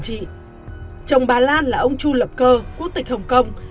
chồng bà lan là ông chu lập cơ quốc tịch hồng kông